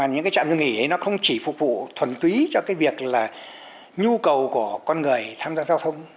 những trạm dừng nghỉ không chỉ phục vụ thuần túy cho việc là nhu cầu của con người tham gia giao thông